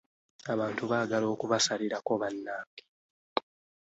Abantu baagala okubasalirako bannange!